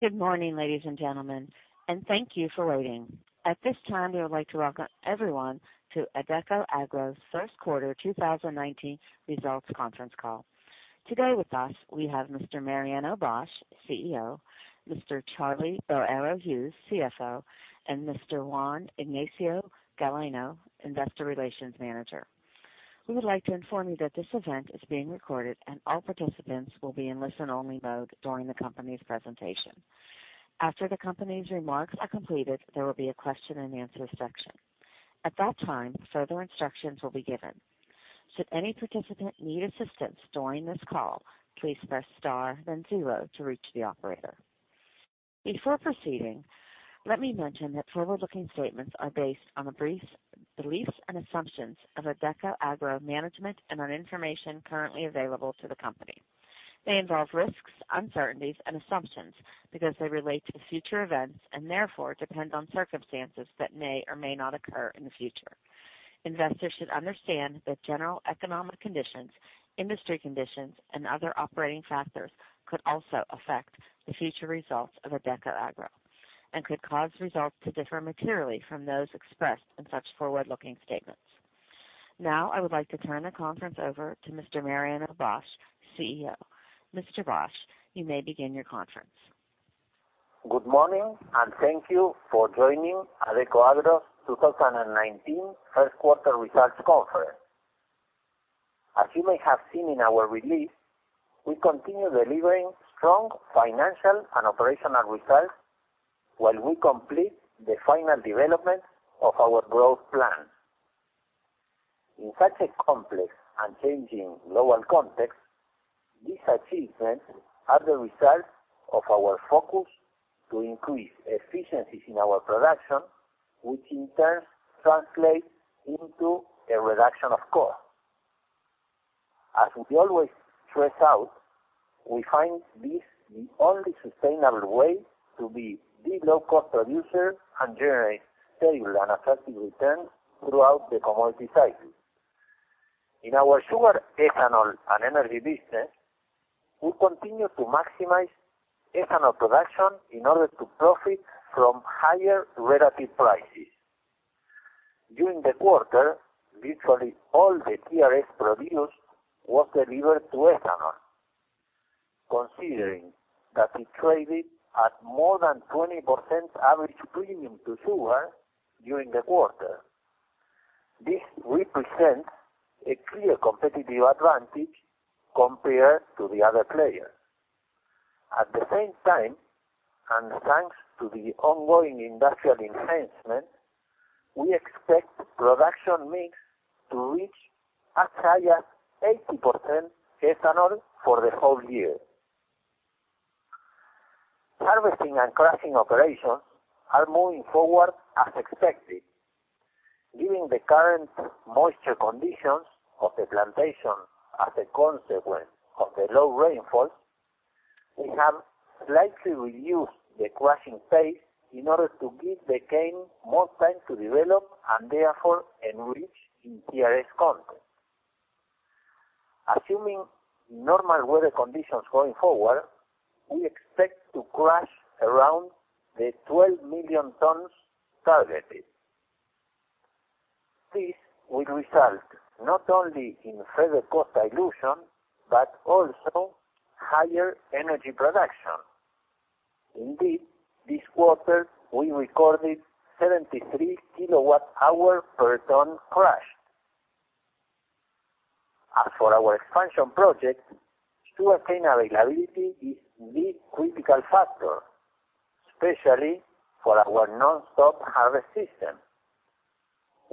Good morning, ladies and gentlemen, and thank you for waiting. At this time, we would like to welcome everyone to Adecoagro's first quarter 2019 results conference call. Today with us, we have Mr. Mariano Bosch, CEO, Mr. Charlie Boero Hughes, CFO, and Mr. Juan Ignacio Galeano, investor relations manager. We would like to inform you that this event is being recorded, and all participants will be in listen-only mode during the company's presentation. After the company's remarks are completed, there will be a question and answer section. At that time, further instructions will be given. Should any participant need assistance during this call, please press star then zero to reach the operator. Before proceeding, let me mention that forward-looking statements are based on the beliefs and assumptions of Adecoagro management and on information currently available to the company. They involve risks, uncertainties, and assumptions because they relate to future events and therefore depend on circumstances that may or may not occur in the future. Investors should understand that general economic conditions, industry conditions, and other operating factors could also affect the future results of Adecoagro and could cause results to differ materially from those expressed in such forward-looking statements. I would like to turn the conference over to Mr. Mariano Bosch, CEO. Mr. Bosch, you may begin your conference. Good morning, and thank you for joining Adecoagro's 2019 first quarter results conference. As you may have seen in our release, we continue delivering strong financial and operational results while we complete the final development of our growth plan. In such a complex and changing global context, these achievements are the result of our focus to increase efficiencies in our production, which in turn translates into a reduction of cost. As we always stress out, we find this the only sustainable way to be the low-cost producer and generate stable and attractive returns throughout the commodity cycle. In our Sugar, Ethanol, and Energy Business, we continue to maximize ethanol production in order to profit from higher relative prices. During the quarter, literally all the TRS produced was delivered to ethanol, considering that it traded at more than 20% average premium to sugar during the quarter. This represents a clear competitive advantage compared to the other players. At the same time, thanks to the ongoing industrial enhancement, we expect production mix to reach as high as 80% ethanol for the whole year. Harvesting and crushing operations are moving forward as expected. Given the current moisture conditions of the plantation as a consequence of the low rainfall, we have slightly reduced the crushing pace in order to give the sugarcane more time to develop and therefore enrich in TRS content. Assuming normal weather conditions going forward, we expect to crush around the 12 million tons targeted. This will result not only in further cost dilution, but also higher energy production. Indeed, this quarter, we recorded 73 kWh per ton crushed. As for our expansion project, sugarcane availability is the critical factor, especially for our nonstop harvest system.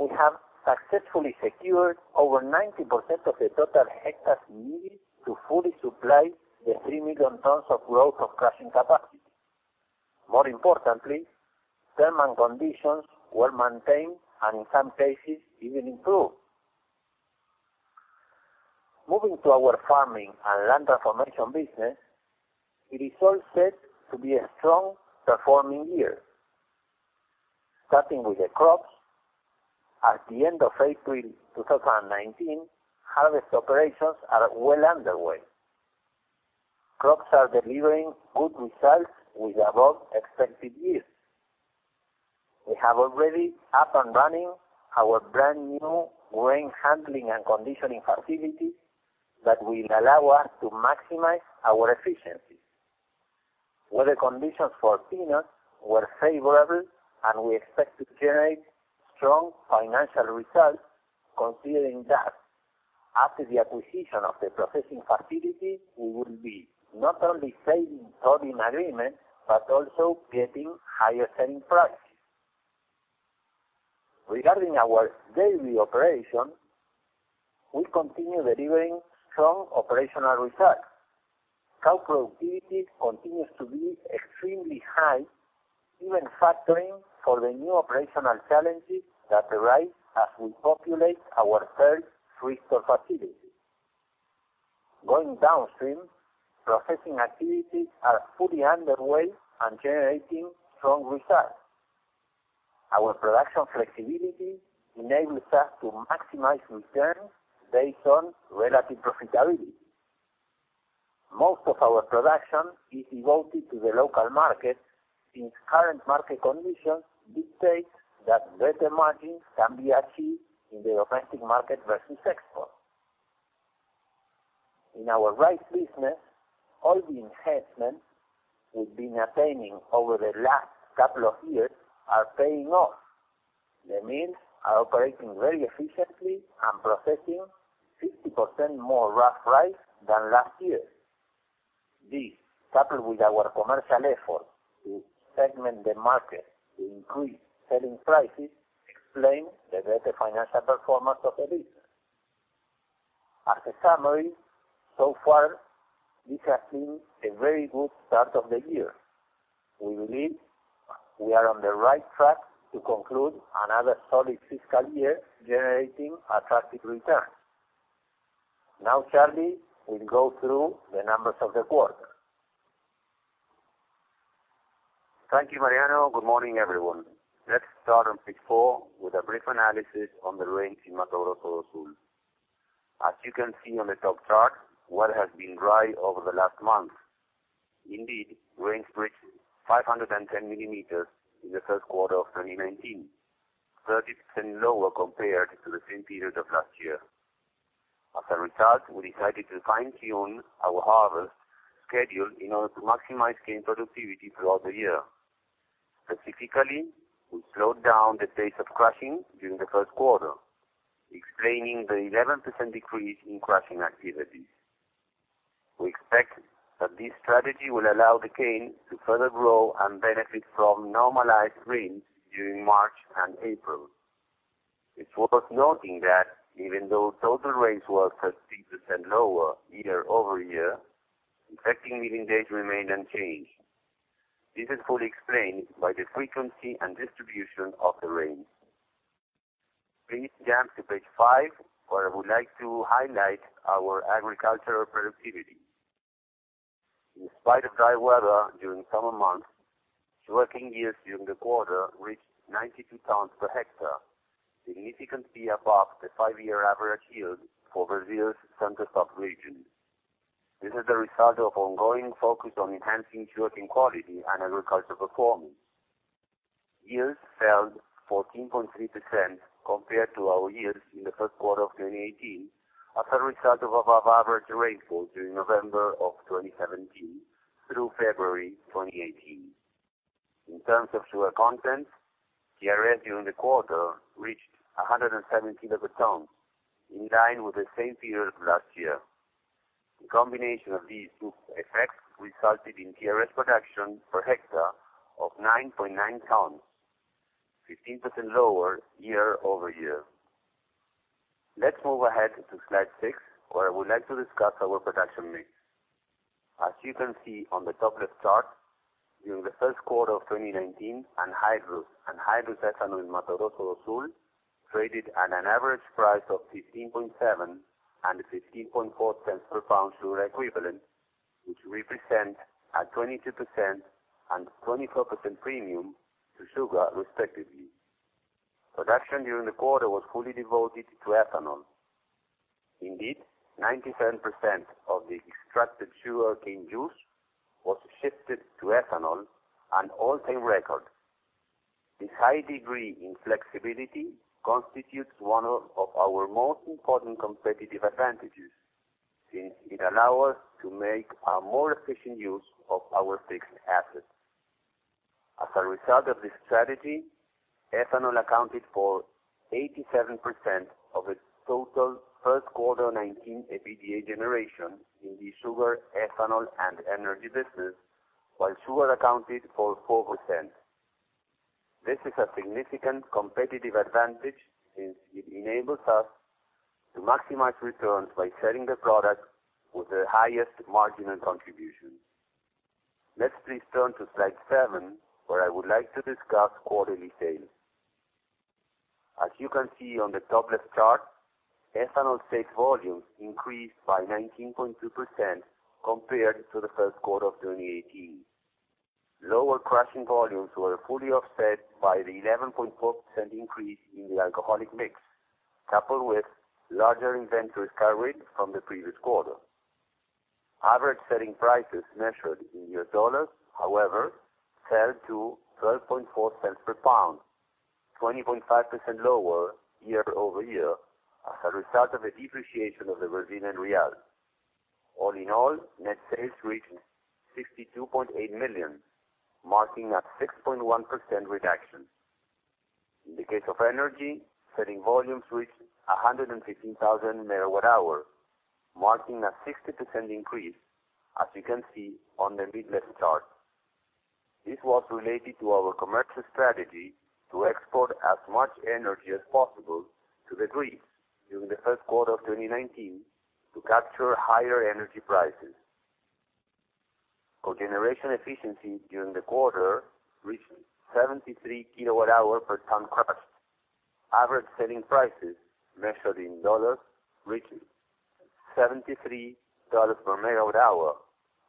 We have successfully secured over 90% of the total hectares needed to fully supply the 3 million tons of growth of crushing capacity. More importantly, terms and conditions were maintained, and in some cases, even improved. Moving to our farming and land transformation business, it is all set to be a strong performing year. Starting with the crops, at the end of April 2019, harvest operations are well underway. Crops are delivering good results with above expected yields. We have already up and running our brand new grain handling and conditioning facility that will allow us to maximize our efficiency. Weather conditions for peanuts were favorable, and we expect to generate strong financial results considering that after the acquisition of the processing facility, we will be not only saving 30 in agreement, but also getting higher selling prices. Regarding our dairy operation, we continue delivering strong operational results. Cow productivity continues to be extremely high, even factoring for the new operational challenges that arise as we populate our third free stall facility. Going downstream, processing activities are fully underway and generating strong results. Our production flexibility enables us to maximize returns based on relative profitability. Most of our production is devoted to the local market, since current market conditions dictate that better margins can be achieved in the domestic market versus export. In our rice business, all the enhancements we've been attaining over the last couple of years are paying off. The mills are operating very efficiently and processing 50% more rough rice than last year. This, coupled with our commercial effort to segment the market to increase selling prices, explain the better financial performance of the business. As a summary, so far, this has been a very good start of the year. We believe we are on the right track to conclude another solid fiscal year, generating attractive returns. Now Charlie will go through the numbers of the quarter. Thank you, Mariano. Good morning, everyone. Let's start on page four with a brief analysis on the rains in Mato Grosso do Sul. As you can see on the top chart, weather has been dry over the last month. Indeed, rains reached 510 millimeters in the first quarter of 2019, 30% lower compared to the same period of last year. As a result, we decided to fine-tune our harvest schedule in order to maximize cane productivity throughout the year. Specifically, we slowed down the pace of crushing during the first quarter, explaining the 11% decrease in crushing activities. We expect that this strategy will allow the cane to further grow and benefit from normalized rains during March and April. It's worth noting that even though total rain was 30% lower year-over-year, effective milling days remained unchanged. This is fully explained by the frequency and distribution of the rain. Please jump to page five, where I would like to highlight our agricultural productivity. In spite of dry weather during summer months, sugarcane yields during the quarter reached 92 tons per hectare, significantly above the five-year average yield for Brazil's Center-South region. This is the result of ongoing focus on enhancing sugarcane quality and agricultural performance. Yields fell 14.3% compared to our yields in the first quarter of 2018 as a result of above average rainfall during November of 2017 through February 2018. In terms of sugar content, TRS during the quarter reached 107 kilograms per ton, in line with the same period last year. The combination of these two effects resulted in TRS production per hectare of 9.9 tons, 15% lower year-over-year. Let's move ahead to slide six, where I would like to discuss our production mix. As you can see on the top left chart, during the first quarter of 2019, anhydrous ethanol in Mato Grosso do Sul traded at an average price of $0.157 and $0.154 per pound sugar equivalent, which represent a 22% and 24% premium to sugar, respectively. Production during the quarter was fully devoted to ethanol. Indeed, 97% of the extracted sugarcane juice was shifted to ethanol, an all-time record. This high degree in flexibility constitutes one of our most important competitive advantages, since it allow us to make a more efficient use of our fixed assets. As a result of this strategy, ethanol accounted for 87% of the total first quarter of 2019 EBITDA generation in the sugar, ethanol, and energy business, while sugar accounted for 4%. This is a significant competitive advantage since it enables us to maximize returns by selling the product with the highest margin and contribution. Let's please turn to slide seven, where I would like to discuss quarterly sales. As you can see on the top left chart, ethanol sales volumes increased by 19.2% compared to the first quarter of 2018. Lower crushing volumes were fully offset by the 11.4% increase in the ethanol mix, coupled with larger inventory carried from the previous quarter. Average selling prices measured in US dollars, however, fell to $0.124 per pound, 20.5% lower year-over-year as a result of the depreciation of the Brazilian Real. All in all, net sales reached 62.8 million, marking a 6.1% reduction. In the case of energy, selling volumes reached 115,000 MWh, marking a 60% increase, as you can see on the mid left chart. This was related to our commercial strategy to export as much energy as possible to the grid during the first quarter of 2019 to capture higher energy prices. Cogeneration efficiency during the quarter reached 73 kWh per ton crushed. Average selling prices measured in dollars reached $73 per megawatt hour,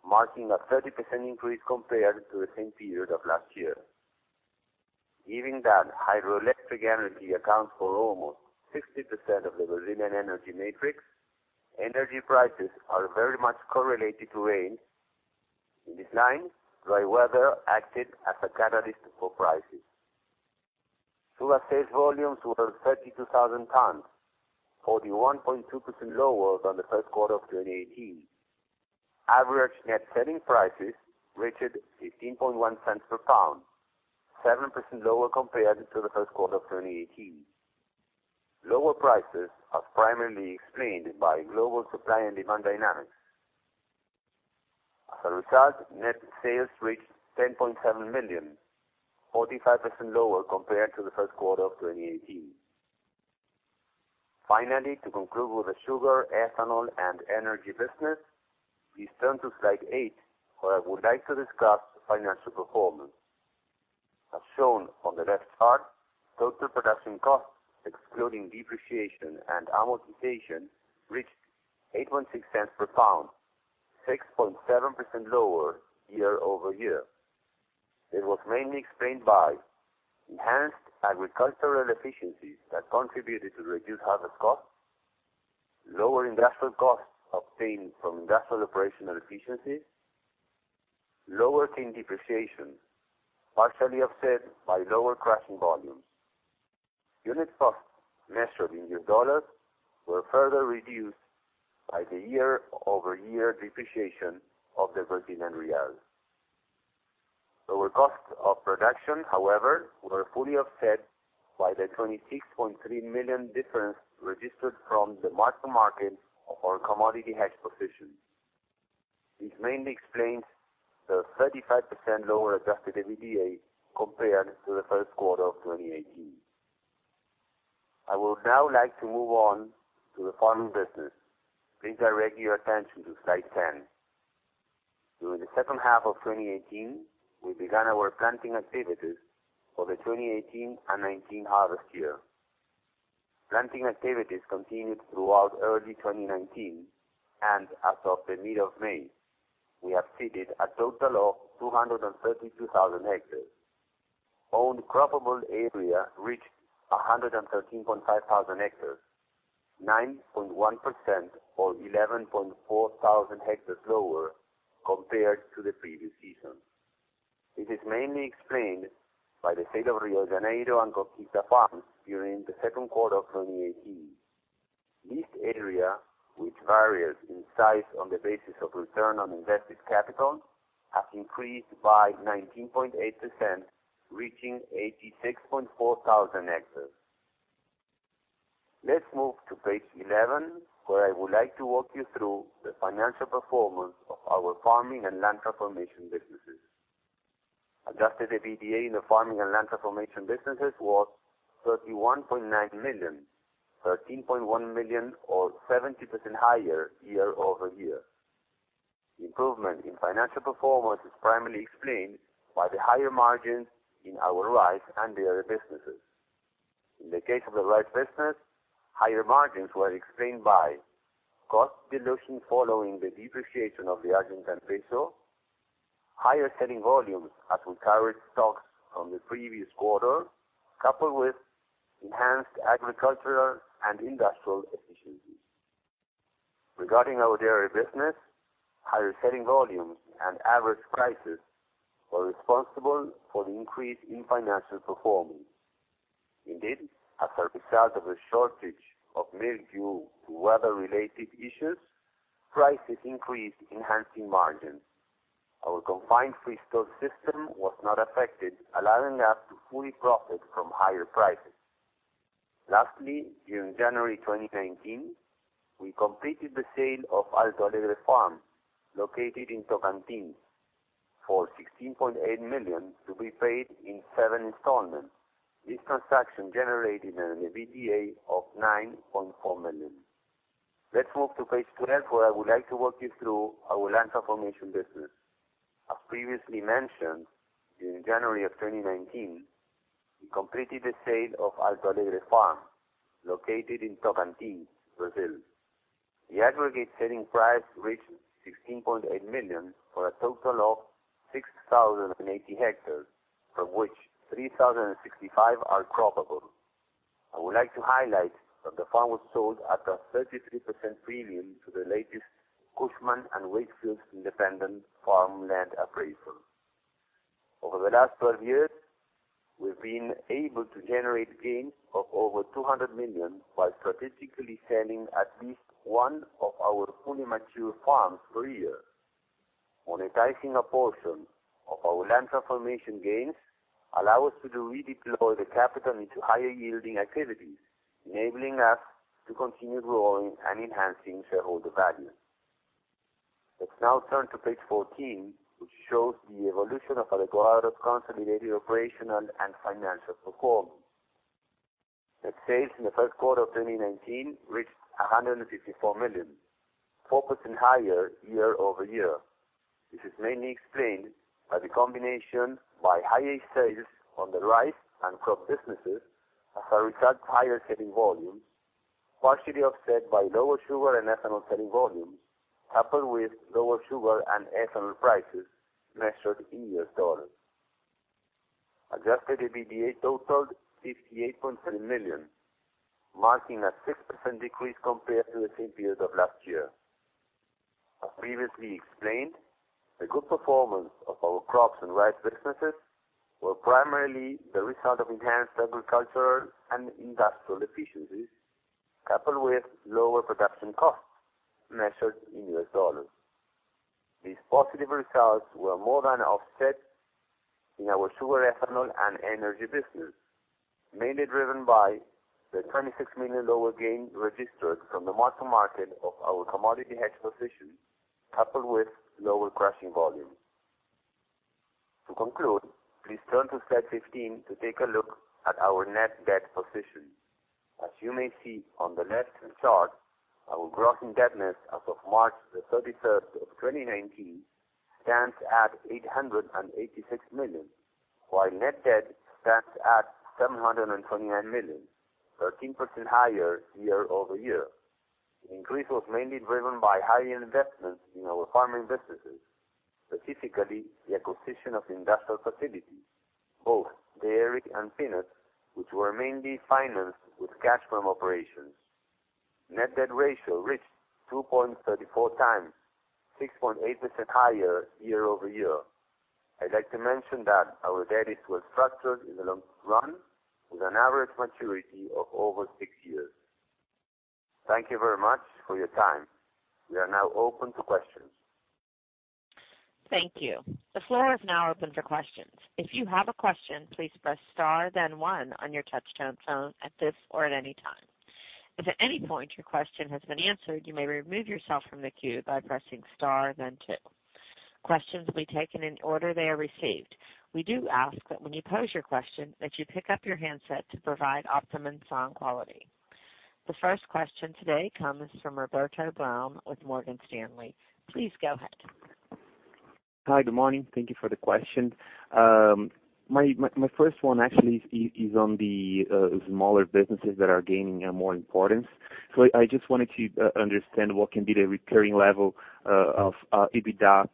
marking a 30% increase compared to the same period of last year. Given that hydroelectric energy accounts for almost 60% of the Brazilian energy matrix, energy prices are very much correlated to rain. In this line, dry weather acted as a catalyst for prices. Sugar sales volumes were 32,000 tons, 41.2% lower than the first quarter of 2018. Average net selling prices reached $0.151 per pound, 7% lower compared to the first quarter of 2018. Lower prices are primarily explained by global supply and demand dynamics. As a result, net sales reached 10.7 million, 45% lower compared to the first quarter of 2018. Finally, to conclude with the sugar, ethanol, and energy business, please turn to slide eight where I would like to discuss financial performance. As shown on the left chart, total production costs, excluding depreciation and amortization, reached $0.086 per pound, 6.7% lower year-over-year. It was mainly explained by enhanced agricultural efficiencies that contributed to reduced harvest costs, lower industrial costs obtained from industrial operational efficiencies, lower cane depreciation, partially offset by lower crushing volumes. Unit costs measured in US dollars were further reduced by the year-over-year depreciation of the Brazilian Real. Lower costs of production, however, were fully offset by the $26.3 million difference registered from the mark to market of our commodity hedge position. This mainly explains the 35% lower adjusted EBITDA compared to the first quarter of 2018. I would now like to move on to the farming business. Please direct your attention to slide 10. During the second half of 2018, we began our planting activities for the 2018 and 2019 harvest year. Planting activities continued throughout early 2019, and as of mid of May, we have seeded a total of 232,000 hectares. Owned croppable area reached 113,500 hectares, 9.1% or 11,400 hectares lower compared to the previous season. This is mainly explained by the sale of Rio de Janeiro and Conquista farms during the second quarter of 2018. Leased area, which varies in size on the basis of return on invested capital, has increased by 19.8%, reaching 86,400 hectares. Let's move to page 11, where I would like to walk you through the financial performance of our farming and land transformation businesses. Adjusted EBITDA in the farming and land transformation businesses was 31.9 million, 13.1 million or 70% higher year-over-year. Improvement in financial performance is primarily explained by the higher margins in our rice and dairy businesses. In the case of the rice business, higher margins were explained by cost dilution following the depreciation of the Argentine Peso, higher selling volumes as we carried stocks from the previous quarter, coupled with enhanced agricultural and industrial efficiencies. Regarding our dairy business, higher selling volumes and average prices were responsible for the increase in financial performance. Indeed, as a result of a shortage of milk due to weather-related issues, prices increased, enhancing margins. Our confined free stall system was not affected, allowing us to fully profit from higher prices. Lastly, during January 2019, we completed the sale of Alto Alegre Farm, located in Tocantins, for 16.8 million to be paid in seven installments. This transaction generated an EBITDA of 9.4 million. Let's move to page 12, where I would like to walk you through our land transformation business. As previously mentioned, during January of 2019, we completed the sale of Alto Alegre Farm, located in Tocantins, Brazil. The aggregate selling price reached 16.8 million for a total of 6,080 hectares, from which 3,065 are croppable. I would like to highlight that the farm was sold at a 33% premium to the latest Cushman & Wakefield independent farmland appraisal. Over the last 12 years, we've been able to generate gains of over 200 million while strategically selling at least one of our fully mature farms per year. Monetizing a portion of our land transformation gains allow us to redeploy the capital into higher yielding activities, enabling us to continue growing and enhancing shareholder value. Let's now turn to page 14, which shows the evolution of Adecoagro's consolidated operational and financial performance. Net sales in the first quarter of 2019 reached 154 million, 4% higher year-over-year. This is mainly explained by the combination by high-yield sales on the rice and crop businesses, as a result, higher selling volumes, partially offset by lower sugar and ethanol selling volumes, coupled with lower sugar and ethanol prices measured in US dollars. Adjusted EBITDA totaled 58.7 million, marking a 6% decrease compared to the same period of last year. As previously explained, the good performance of our crops and rice businesses were primarily the result of enhanced agricultural and industrial efficiencies, coupled with lower production costs measured in US dollars. These positive results were more than offset in our sugar, ethanol, and energy business, mainly driven by the 26 million lower gain registered from the mark-to-market of our commodity hedge position, coupled with lower crushing volumes. To conclude, please turn to slide 15 to take a look at our net debt position. As you may see on the left chart, our gross indebtedness as of March the 31st of 2019 stands at 886 million, while net debt stands at 729 million, 13% higher year-over-year. The increase was mainly driven by high-end investments in our farming businesses, specifically the acquisition of industrial facilities, both dairy and peanut, which were mainly financed with cash from operations. Net debt ratio reached 2.34 times, 6.8% higher year-over-year. I'd like to mention that our debt was structured in the long run with an average maturity of over six years. Thank you very much for your time. We are now open to questions. Thank you. The floor is now open for questions. If you have a question, please press star then one on your touchtone phone at this or at any time. If at any point your question has been answered, you may remove yourself from the queue by pressing star then two. Questions will be taken in the order they are received. We do ask that when you pose your question, that you pick up your handset to provide optimum sound quality. The first question today comes from Roberto Braun with Morgan Stanley. Please go ahead. Hi. Good morning. Thank you for the question. My first one actually is on the smaller businesses that are gaining more importance. I just wanted to understand what can be the recurring level of EBITDA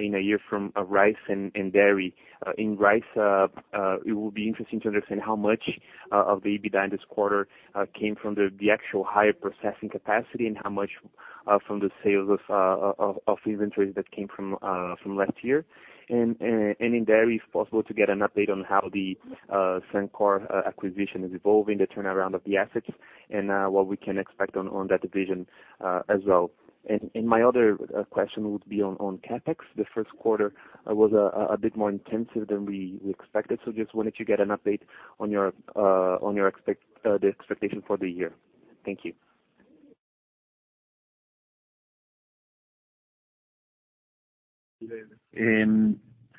in a year from rice and dairy. In rice, it will be interesting to understand how much of the EBITDA in this quarter came from the actual higher processing capacity and how much from the sales of inventories that came from last year. In dairy, if possible, to get an update on how the SanCor acquisition is evolving, the turnaround of the assets, and what we can expect on that division as well. My other question would be on CapEx. The first quarter was a bit more intensive than we expected. Just wanted to get an update on the expectation for the year. Thank you.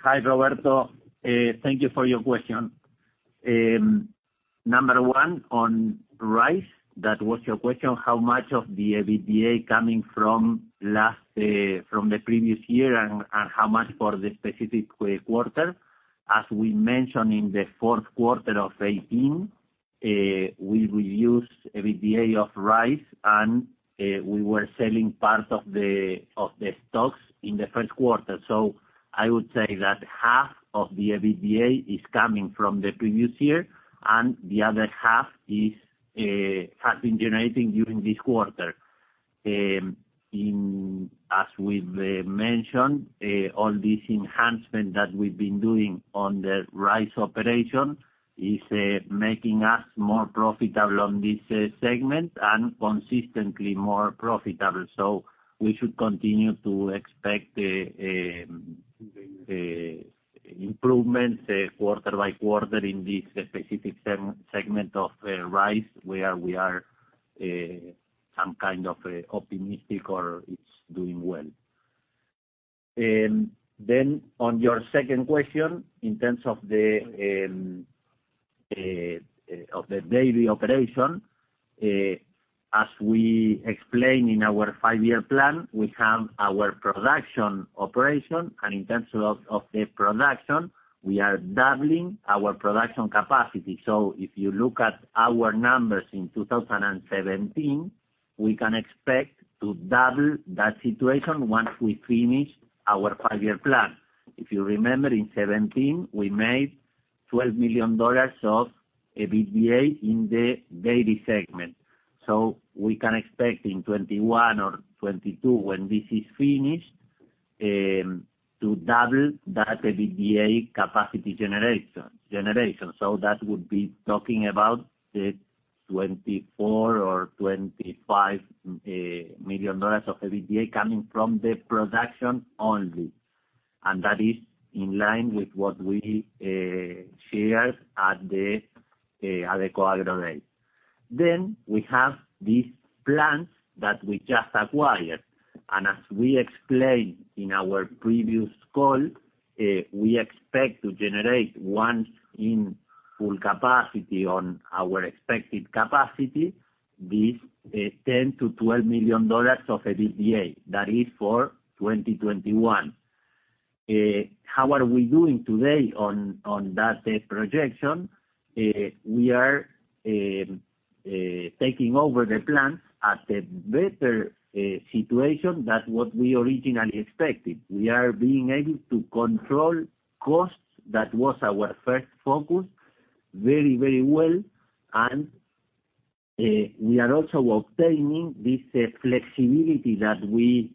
Hi, Roberto. Thank you for your question. Number one on rice, that was your question, how much of the EBITDA coming from the previous year and how much for the specific quarter. As we mentioned in the fourth quarter of 2018, we will use EBITDA of rice, and we were selling part of the stocks in the first quarter. I would say that half of the EBITDA is coming from the previous year, and the other half has been generating during this quarter. As we've mentioned, all this enhancement that we've been doing on the rice operation is making us more profitable on this segment and consistently more profitable. We should continue to expect improvements quarter by quarter in this specific segment of rice, where we are some kind of optimistic or it's doing well. On your second question, in terms of the dairy operation, as we explained in our five-year plan, we have our production operation, and in terms of the production, we are doubling our production capacity. If you look at our numbers in 2017, we can expect to double that situation once we finish our five-year plan. If you remember, in 2017, we made $12 million of EBITDA in the dairy segment. We can expect in 2021 or 2022, when this is finished, to double that EBITDA capacity generation. That would be talking about $24 million or $25 million of EBITDA coming from the production only. That is in line with what we shared at the Adecoagro Day. We have these plants that we just acquired. As we explained in our previous call, we expect to generate once in Full capacity on our expected capacity, this $10 million to $12 million of EBITDA, that is for 2021. How are we doing today on that projection? We are taking over the plant at a better situation than what we originally expected. We are being able to control costs, that was our first focus, very well, and we are also obtaining this flexibility that we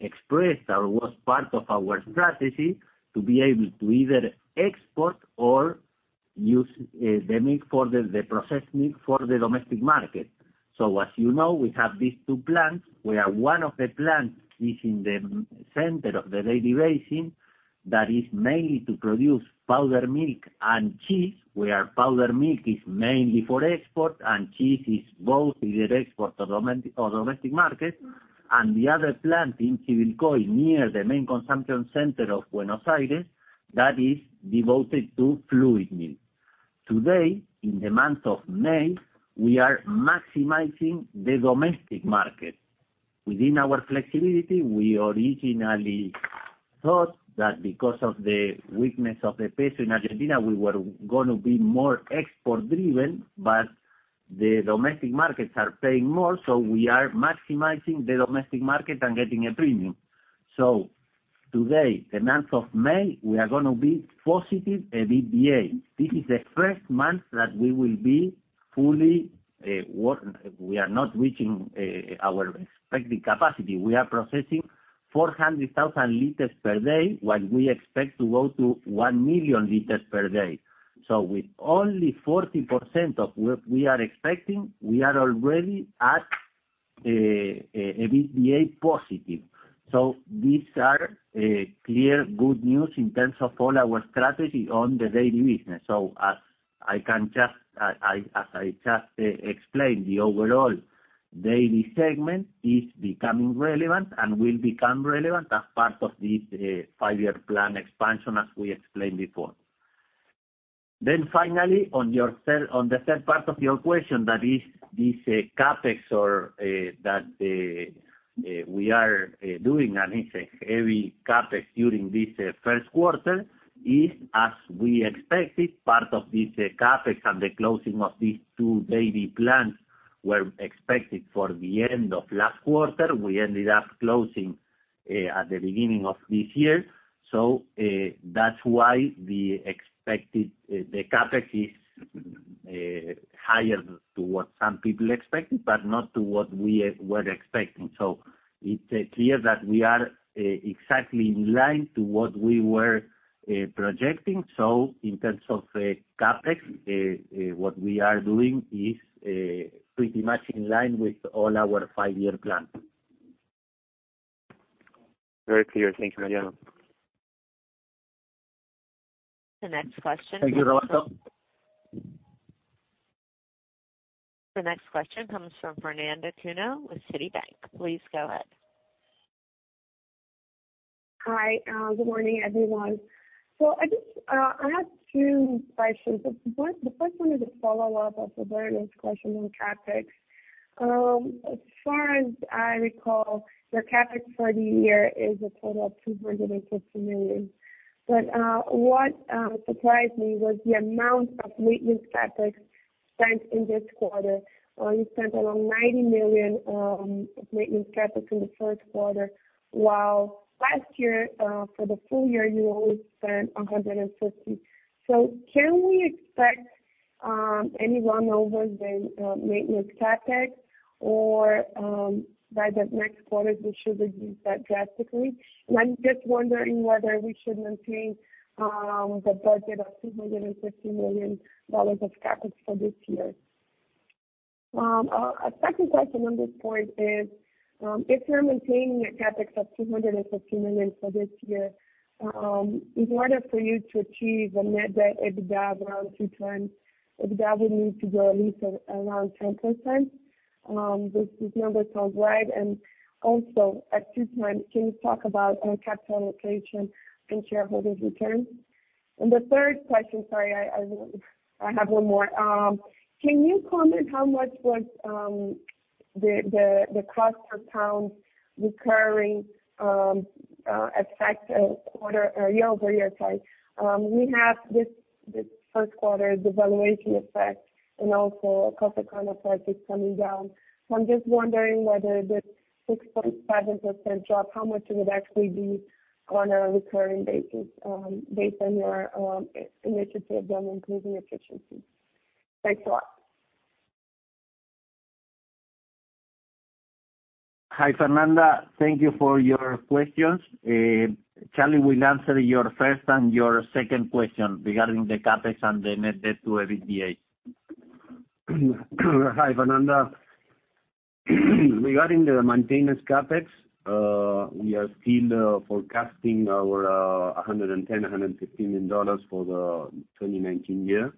expressed or was part of our strategy to be able to either export or use the processed milk for the domestic market. As you know, we have these two plants, where one of the plants is in the center of the dairy basin, that is mainly to produce powdered milk and cheese, where powdered milk is mainly for export and cheese is both, either export or domestic market. The other plant in Quilmes near the main consumption center of Buenos Aires, that is devoted to fluid milk. Today, in the month of May, we are maximizing the domestic market. Within our flexibility, we originally thought that because of the weakness of the peso in Argentina, we were going to be more export driven, but the domestic markets are paying more, we are maximizing the domestic market and getting a premium. Today, the month of May, we are going to be positive EBITDA. This is the first month that we are not reaching our expected capacity. We are processing 400,000 liters per day, while we expect to go to 1 million liters per day. With only 40% of what we are expecting, we are already at EBITDA positive. These are clear good news in terms of all our strategy on the dairy business. As I just explained, the overall dairy segment is becoming relevant and will become relevant as part of this five-year plan expansion as we explained before. Finally, on the third part of your question, that is this CapEx that we are doing, and it's a heavy CapEx during this first quarter, is as we expected, part of this CapEx and the closing of these two dairy plants were expected for the end of last quarter. We ended up closing at the beginning of this year. That's why the CapEx is higher to what some people expected, but not to what we were expecting. It's clear that we are exactly in line to what we were projecting. In terms of CapEx, what we are doing is pretty much in line with all our five-year plan. Very clear. Thank you, Mariano. The next question. Thank you. The next question comes from Fernanda Tanno with Citibank. Please go ahead. Hi, good morning, everyone. I have two questions. The first one is a follow-up of Roberto's question on CapEx. As far as I recall, your CapEx for the year is a total of 250 million. What surprised me was the amount of maintenance CapEx spent in this quarter. You spent around 90 million of maintenance CapEx in the first quarter, while last year, for the full year, you only spent 150. Can we expect any run over the maintenance CapEx, or by the next quarter, we should reduce that drastically? I'm just wondering whether we should maintain the budget of 250 million of CapEx for this year. A second question on this point is, if you're maintaining a CapEx of 250 million for this year, in order for you to achieve a net debt EBITDA around 2x, EBITDA would need to grow at least around 10%. This number sounds right. Also, at 2x, can you talk about capital allocation and shareholders return? The third question, sorry, I have one more. Can you comment how much was the cost per pound recurring effect year-over-year? We have this first quarter devaluation effect and also sugarcane price is coming down. I'm just wondering whether this 6.7% drop, how much it would actually be on a recurring basis based on your initiative on improving efficiency. Thanks a lot. Hi, Fernanda. Thank you for your questions. Char will answer your first and your second question regarding the CapEx and the net debt to EBITDA. Hi, Fernanda. Regarding the maintenance CapEx, we are still forecasting our $110 million-$115 million for the 2019 year.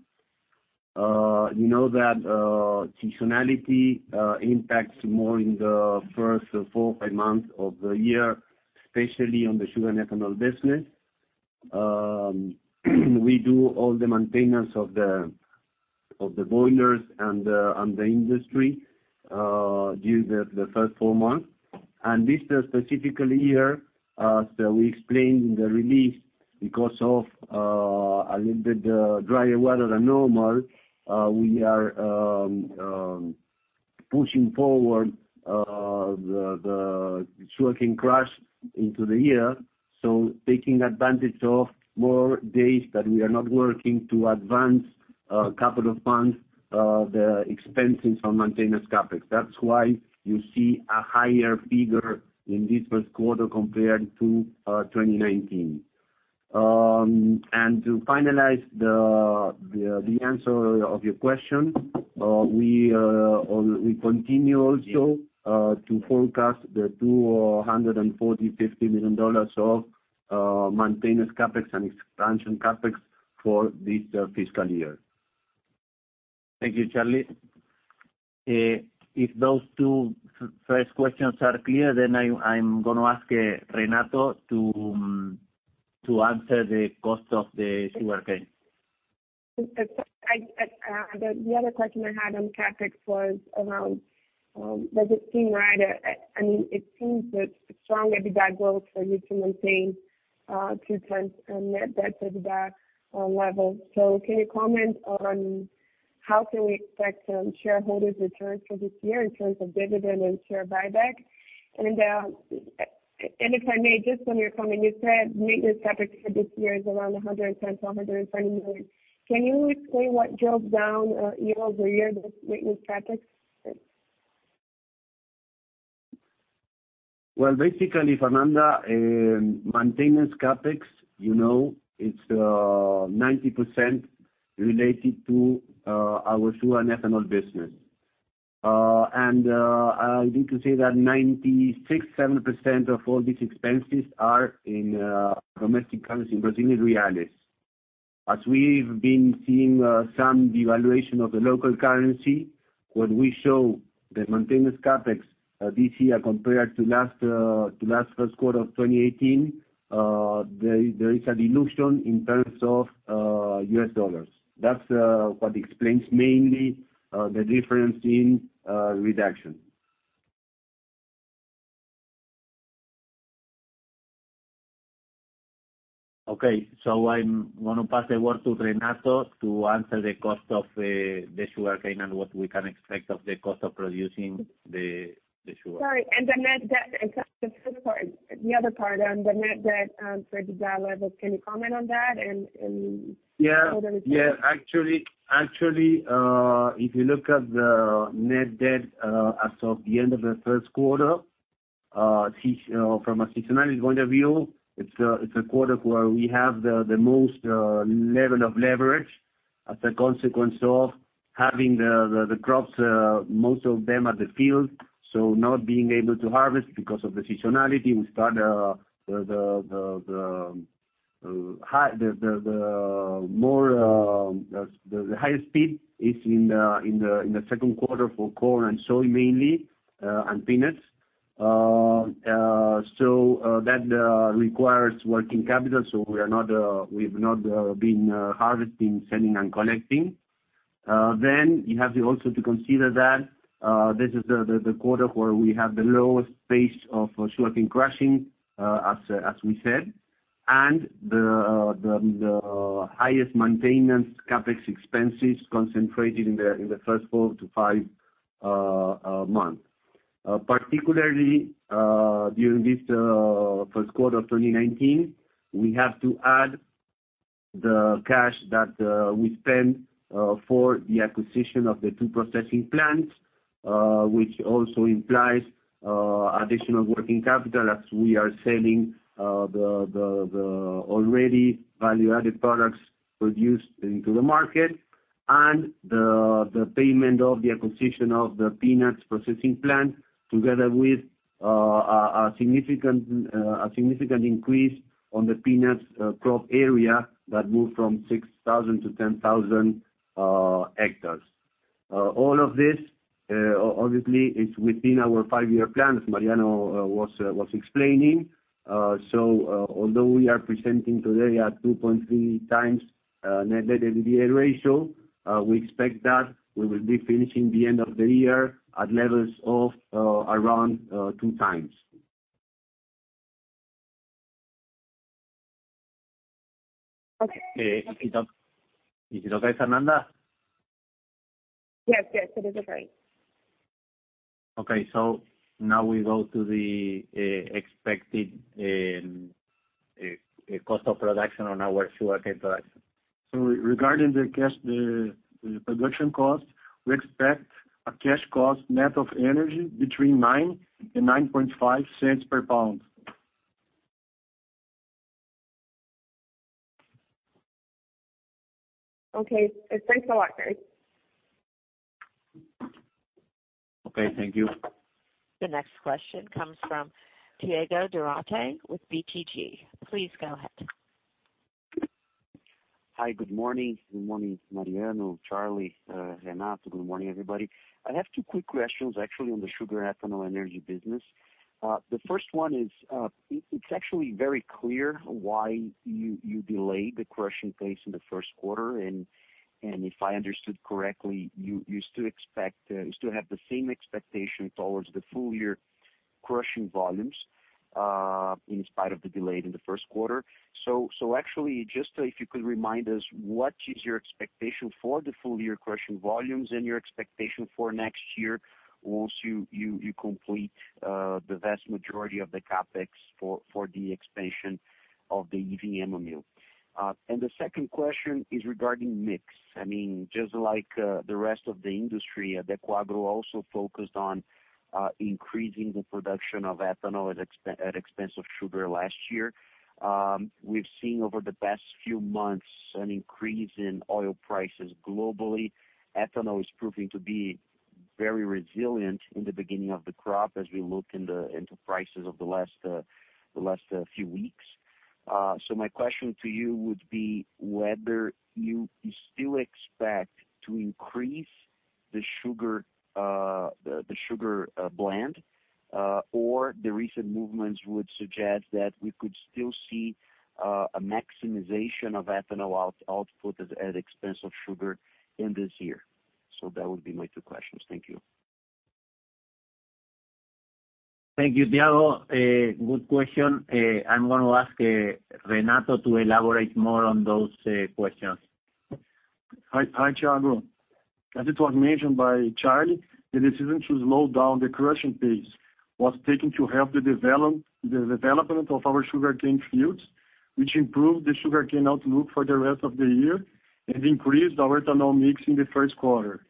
You know that seasonality impacts more in the first four or five months of the year, especially on the sugar and ethanol business. We do all the maintenance of the boilers and the industry during the first four months. This specifically year, as we explained in the release, because of a little bit drier weather than normal, we are pushing forward the sugarcane crush into the year. Taking advantage of more days that we are not working to advance a couple of months the expenses on maintenance CapEx. That's why you see a higher figure in this first quarter compared to 2019. To finalize the answer of your question, we continue also to forecast the $240 million-$250 million of maintenance CapEx and expansion CapEx for this fiscal year. Thank you, Charlie. If those two first questions are clear, I'm going to ask Renato to answer the cost of the sugarcane. The other question I had on CapEx was around, does it seem right? It seems that stronger EBITDA growth for you to maintain two times net debt to EBITDA level. Can you comment on how can we expect shareholders return for this year in terms of dividend and share buyback? If I may, just on your comment, you said maintenance CapEx for this year is around $110 million-$120 million. Can you explain what drove down year-over-year this maintenance CapEx? Well, basically, Fernanda, maintenance CapEx, it's 90% related to our sugar and ethanol business. I need to say that 96.7% of all these expenses are in domestic currency, in Brazilian reais. As we've been seeing some devaluation of the local currency, when we show the maintenance CapEx this year compared to last first quarter of 2018, there is a dilution in terms of US dollars. That's what explains mainly the difference in reduction. Okay. I'm going to pass the word to Renato to answer the cost of the sugarcane and what we can expect of the cost of producing the sugar. Sorry. The net debt, the other part on the net debt for EBITDA levels. Can you comment on that? Yeah. Actually, if you look at the net debt as of the end of the first quarter, from a seasonality point of view, it's a quarter where we have the most level of leverage as a consequence of having the crops, most of them at the field, not being able to harvest because of the seasonality. We start the highest peak is in the second quarter for corn and soy mainly, and peanuts. That requires working capital. We have not been harvesting, selling, and collecting. You have also to consider that this is the quarter where we have the lowest pace of sugarcane crushing, as we said, and the highest maintenance CapEx expenses concentrated in the first four to five months. Particularly, during this first quarter of 2019, we have to add the cash that we spent for the acquisition of the two processing plants, which also implies additional working capital as we are selling the already value-added products produced into the market, and the payment of the acquisition of the peanuts processing plant, together with a significant increase on the peanuts crop area that moved from 6,000 to 10,000 hectares. All of this obviously is within our five-year plan, as Mariano was explaining. Although we are presenting today at 2.3 times net debt to EBITDA ratio, we expect that we will be finishing the end of the year at levels of around two times. Okay. Is it okay, Fernanda Tanno? Yes. It is okay. Now we go to the expected cost of production on our sugarcane production. Regarding the production cost, we expect a cash cost net of energy between $0.09-$0.095 per pound. Okay. Thanks a lot, guys. Okay, thank you. The next question comes from Thiago Duarte with BTG. Please go ahead. Hi. Good morning. Good morning, Mariano, Charlie, Renato. Good morning, everybody. I have two quick questions, actually, on the sugar, ethanol, energy business. The first one is, it is actually very clear why you delayed the crushing phase in the first quarter, and if I understood correctly, you still have the same expectation towards the full-year crushing volumes in spite of the delay in the first quarter. Actually, just if you could remind us what is your expectation for the full-year crushing volumes and your expectation for next year once you complete the vast majority of the CapEx for the expansion of the Ivinhema mill. The second question is regarding mix. Just like the rest of the industry, Adecoagro also focused on increasing the production of ethanol at expense of sugar last year. We have seen over the past few months an increase in oil prices globally. Ethanol is proving to be very resilient in the beginning of the crop as we look into prices of the last few weeks. My question to you would be whether you still expect to increase the sugar mix, or the recent movements would suggest that we could still see a maximization of ethanol output at expense of sugar in this year. That would be my two questions. Thank you. Thank you, Thiago. Good question. I am going to ask Renato to elaborate more on those questions. Hi, Thiago. As it was mentioned by Charlie, the decision to slow down the crushing pace was taken to help the development of our sugarcane fields, which improved the sugarcane outlook for the rest of the year and increased our ethanol mix in the first quarter.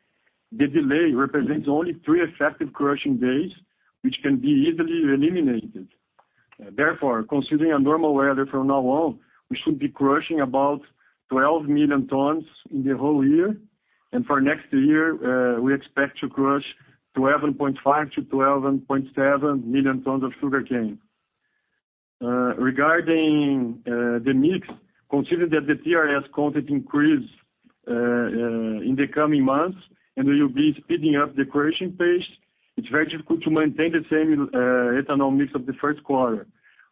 The delay represents only three effective crushing days, which can be easily eliminated. Therefore, considering a normal weather from now on, we should be crushing about 12 million tons in the whole year. For next year, we expect to crush 12.5 to 12.7 million tons of sugarcane. Regarding the mix, considering that the TRS content increase in the coming months and we will be speeding up the crushing pace, it is very difficult to maintain the same ethanol mix of the first quarter.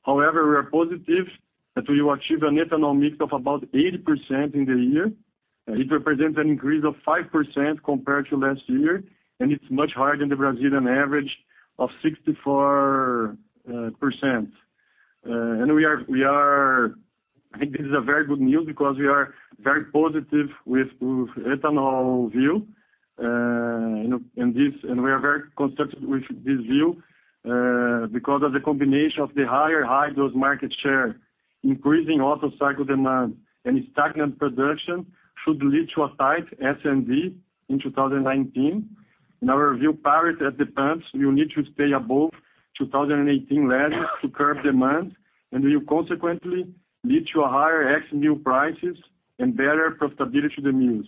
However, we are positive that we will achieve an ethanol mix of about 80% in the year. It represents an increase of 5% compared to last year, it's much higher than the Brazilian average of 64%. I think this is a very good news because we are very positive with ethanol view. We are very constructed with this view because of the combination of the higher hydrous market share, increasing Otto cycle demand, and stagnant production should lead to a tight S&D in 2019. In our view, parity at the pumps will need to stay above 2018 levels to curb demand and will consequently lead to a higher ex-mill prices and better profitability to the mills.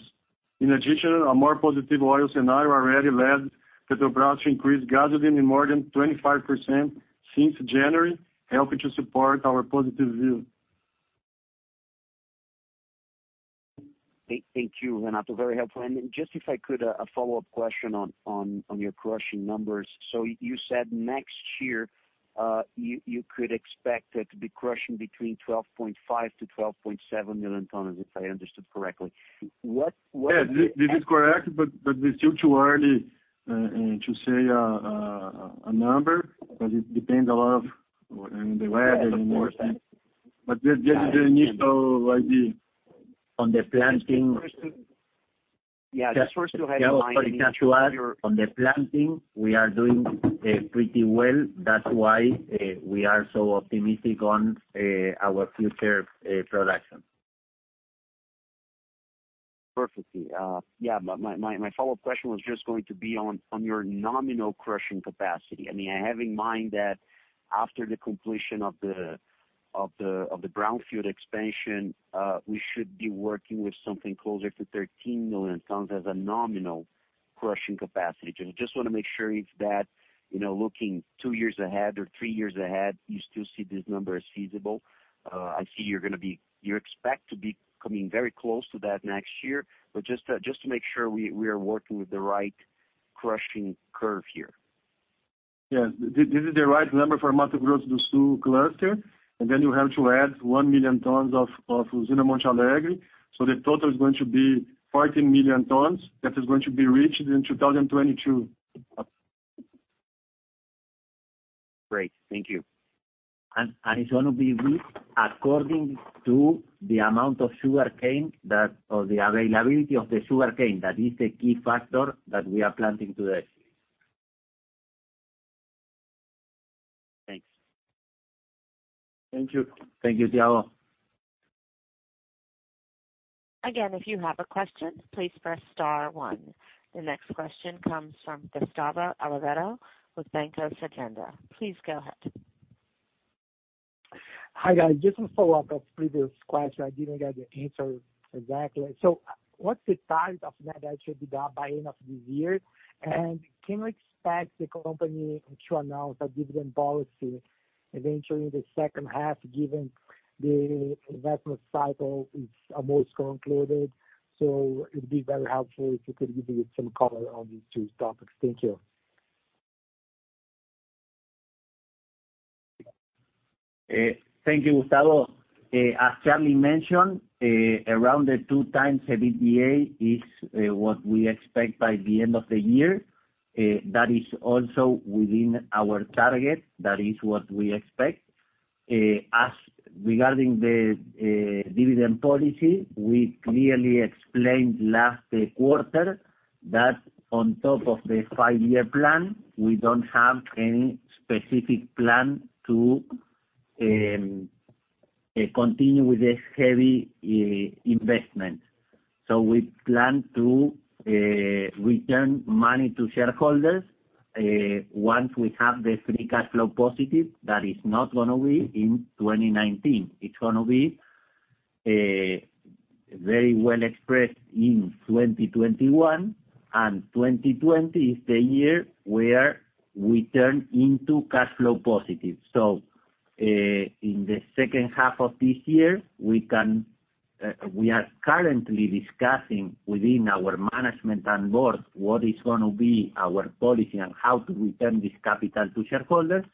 In addition, a more positive oil scenario already led Petrobras to increase gasoline in more than 25% since January, helping to support our positive view. Thank you, Renato. Very helpful. Just if I could, a follow-up question on your crushing numbers. You said next year, you could expect to be crushing between 12.5 million-12.7 million tons, if I understood correctly. Yes, this is correct, it's still too early to say a number because it depends a lot on the weather and more things. That is the initial idea. On the planting. Yeah, just first go ahead. Thiago, if I can add, on the planting, we are doing pretty well. That's why we are so optimistic on our future production. Perfectly. Yeah, my follow-up question was just going to be on your nominal crushing capacity. I have in mind that after the completion of the brownfield expansion, we should be working with something closer to 13 million tons as a nominal crushing capacity. Just want to make sure if that, looking two years ahead or three years ahead, you still see this number as feasible. I see you expect to be coming very close to that next year, but just to make sure we are working with the right crushing curve here. Yes, this is the right number for Mato Grosso do Sul cluster, and then you have to add one million tons of Usina Monte Alegre. The total is going to be 14 million tons. That is going to be reached in 2022. Great. Thank you. It's going to be reached according to the amount of sugarcane that, or the availability of the sugarcane. That is the key factor that we are planting today. Thanks. Thank you. Thank you, Thiago. Again, if you have a question, please press star one. The next question comes from Gustavo Alvero with Banco Santander. Please go ahead. Hi, guys. Just a follow-up of previous question. I didn't get the answer exactly. What's the target of net debt should be done by end of this year? Can we expect the company to announce a dividend policy eventually in the second half, given the investment cycle is almost concluded? It'd be very helpful if you could give me some color on these two topics. Thank you. Thank you, Gustavo. As Charlie mentioned, around the two times EBITDA is what we expect by the end of the year. That is also within our target. That is what we expect. As regarding the dividend policy, we clearly explained last quarter that on top of the five-year plan, we don't have any specific plan to continue with the heavy investment. We plan to return money to shareholders, once we have the free cash flow positive, that is not going to be in 2019. It's going to be very well expressed in 2021, 2020 is the year where we turn into cash flow positive. In the second half of this year, we are currently discussing within our management and board what is going to be our policy and how to return this capital to shareholders.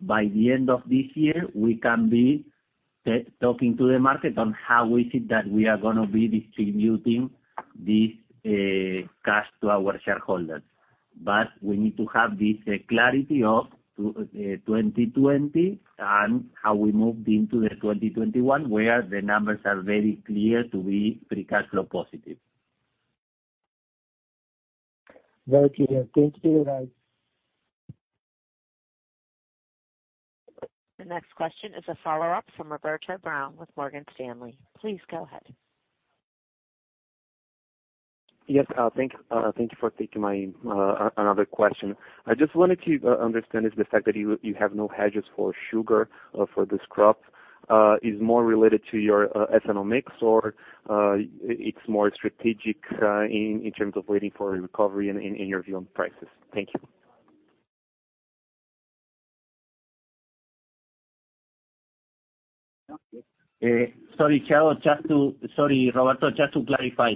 By the end of this year, we can be talking to the market on how is it that we are going to be distributing this cash to our shareholders. We need to have this clarity of 2020 and how we move into the 2021, where the numbers are very clear to be free cash flow positive. Very clear. Thank you very much. The next question is a follow-up from Roberto Braun with Morgan Stanley. Please go ahead. Yes. Thank you for taking my another question. I just wanted to understand is the fact that you have no hedges for sugar for this crop, is more related to your ethanol mix or it's more strategic in terms of waiting for a recovery in your view on prices? Thank you. Sorry, Roberto, just to clarify.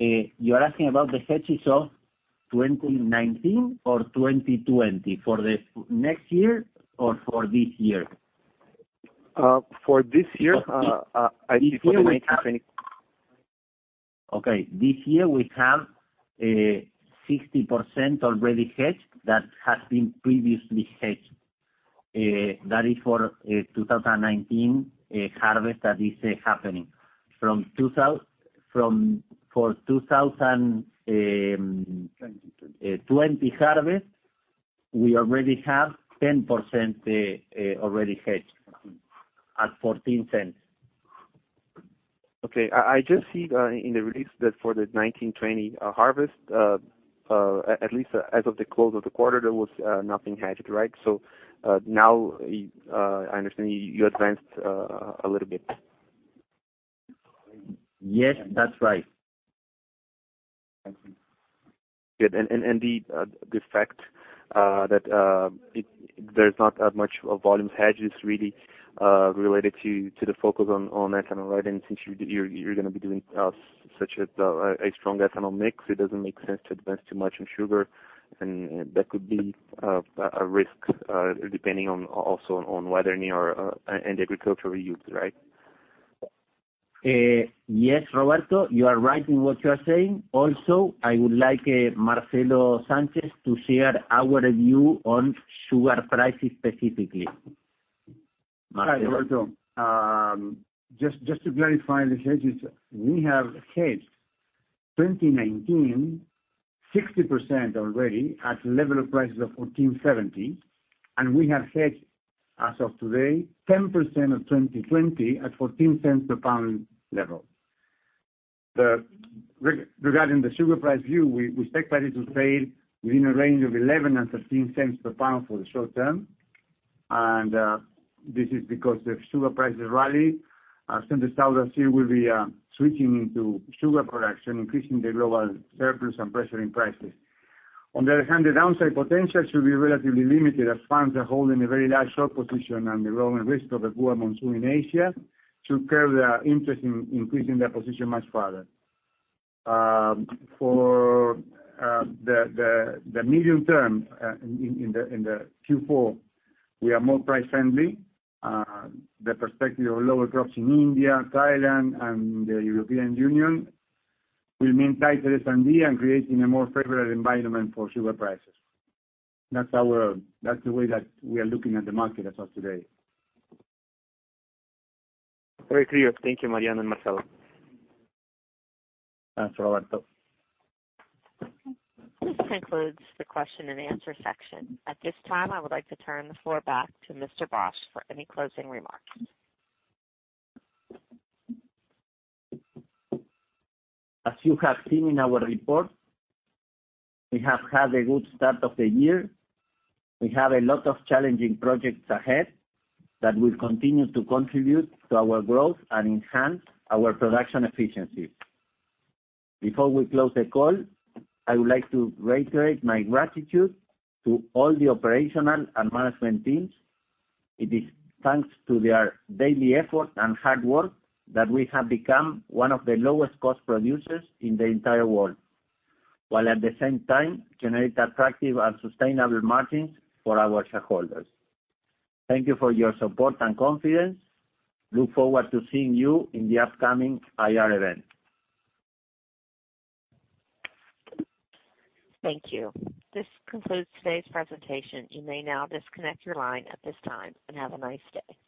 You are asking about the hedges of 2019 or 2020? For the next year or for this year? For this year. Okay. This year we have 60% already hedged that has been previously hedged. That is for 2019 harvest that is happening. For 2020 harvest, we already have 10% already hedged at $0.14. Okay. I just see in the release that for the 2019, 2020 harvest, at least as of the close of the quarter, there was nothing hedged, right? Now, I understand you advanced a little bit. Yes, that's right. Thank you. Good. The fact that there's not as much volume hedge is really related to the focus on ethanol. Since you're going to be doing such a strong ethanol mix, it doesn't make sense to advance too much in sugar. That could be a risk, depending on also on weathering and agricultural yields, right? Yes, Roberto, you are right in what you are saying. I would like Marcelo Sanchez to share our view on sugar prices specifically. Marcelo. Hi, Roberto. Just to clarify the hedges. We have hedged 2019, 60% already at level of prices of $14.70. We have hedged, as of today, 10% of 2020 at $0.14 per pound level. Regarding the sugar price view, we expect that it will trade within a range of $0.11 and $0.13 per pound for the short-term. This is because the sugar prices rally as Center-South Brazil will be switching into sugar production, increasing the global surplus and pressuring prices. On the other hand, the downside potential should be relatively limited as funds are holding a very large short position and the growing risk of a poor monsoon in Asia should curb their interest in increasing their position much further. For the medium term, in the Q4, we are more price-friendly. The perspective of lower crops in India, Thailand, and the European Union will mean tighter S&D and creating a more favorable environment for sugar prices. That's the way that we are looking at the market as of today. Very clear. Thank you, Mariano and Marcelo. Thanks, Roberto. This concludes the question and answer section. At this time, I would like to turn the floor back to Mr. Bosch for any closing remarks. As you have seen in our report, we have had a good start of the year. We have a lot of challenging projects ahead that will continue to contribute to our growth and enhance our production efficiency. Before we close the call, I would like to reiterate my gratitude to all the operational and management teams. It is thanks to their daily effort and hard work that we have become one of the lowest cost producers in the entire world, while at the same time generate attractive and sustainable margins for our shareholders. Thank you for your support and confidence. Look forward to seeing you in the upcoming IR event. Thank you. This concludes today's presentation. You may now disconnect your line at this time, and have a nice day.